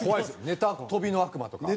ネタ飛びの悪魔とか。